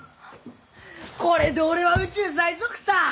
これで俺は宇宙最速さー！